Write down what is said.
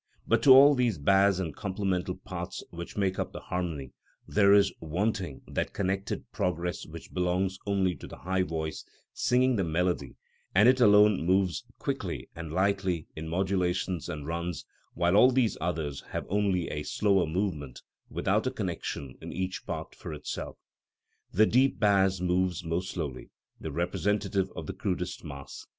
But to all these bass and complemental parts which make up the harmony there is wanting that connected progress which belongs only to the high voice singing the melody, and it alone moves quickly and lightly in modulations and runs, while all these others have only a slower movement without a connection in each part for itself. The deep bass moves most slowly, the representative of the crudest mass.